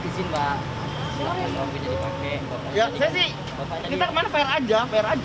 saya sih kita kemana fair aja